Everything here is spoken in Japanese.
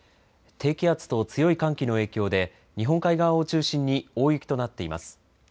低気圧と強い寒気の影響で、日本海側を中心に大雪となっています。